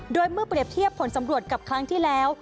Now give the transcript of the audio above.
โดยเมื่อเปรียบเทียบผลสำรวจกับครั้งที่แล้ว